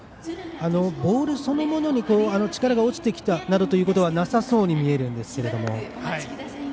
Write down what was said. ボールそのものに力が落ちてきたということはなさそうに見えるんですけども。